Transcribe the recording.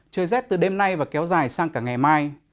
trời rét từ đêm nay và kéo dài sang cả ngày mai